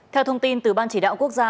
theo thông tin từ ban chỉ đạo quốc gia